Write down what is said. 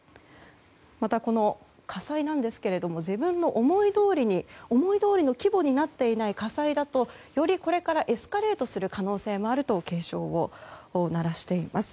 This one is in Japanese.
また、火災なんですけれども自分の思いどおりの規模になっていない火災だと、よりこれからエスカレートする可能性もあると警鐘を鳴らしています。